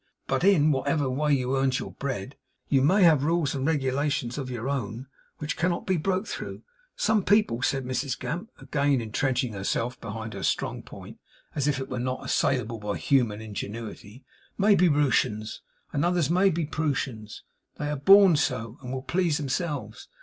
But in whatever way you earns your bread, you may have rules and regulations of your own which cannot be broke through. Some people,' said Mrs Gamp, again entrenching herself behind her strong point, as if it were not assailable by human ingenuity, 'may be Rooshans, and others may be Prooshans; they are born so, and will please themselves.